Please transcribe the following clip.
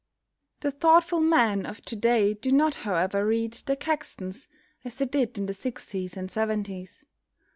The thoughtful men of to day do not however read "The Caxtons" as they did in the sixties and seventies.